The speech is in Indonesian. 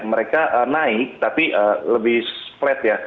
mereka naik tapi lebih flat ya